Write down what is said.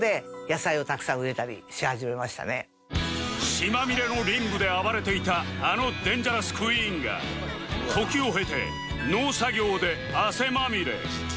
血まみれのリングで暴れていたあのデンジャラス・クイーンが時を経て農作業で汗まみれ